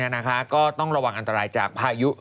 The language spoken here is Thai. ก็ต้องระวังอันตรายจากพายุ